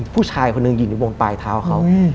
ผู้ชายคนหนึ่งยืนอยู่บนปลายเท้าเขา